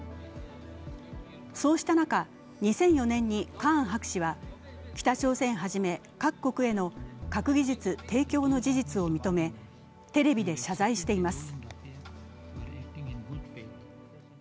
そうした中、２００４年にカーン博士は北朝鮮はじめ各国への核技術提供の技術を認め、テレビで謝罪しています。